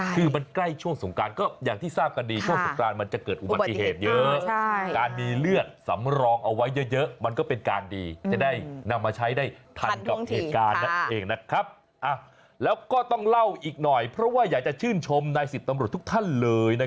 คือมันใกล้ช่วงสงการก็อย่างที่ทราบกันดีช่วงสงการมันจะเกิดอุบัติเหตุเยอะ